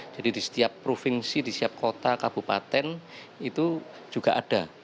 jadi di setiap provinsi di setiap kota kabupaten itu juga ada